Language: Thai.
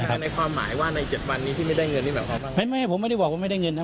แต่ในความหมายว่าในเจ็ดวันนี้ที่ไม่ได้เงินนี่แบบไม่ผมไม่ได้บอกว่าไม่ได้เงินนะ